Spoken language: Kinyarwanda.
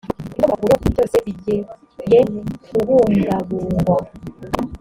ibikomoka ku burobyi byose bigeye kubungabungwa